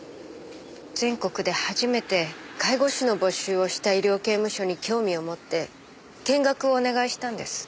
全国で初めて介護士の募集をした医療刑務所に興味を持って見学をお願いしたんです。